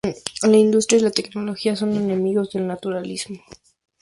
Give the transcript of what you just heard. La industria y la tecnología son enemigos del naturalismo.